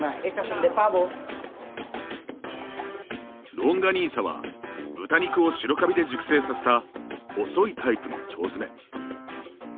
ロンガニーサは豚肉を白カビで熟成させた細いタイプの腸詰め。